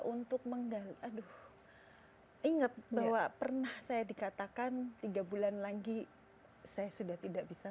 untuk menggali aduh inget bahwa pernah saya dikatakan tiga bulan lagi saya sudah tidak bisa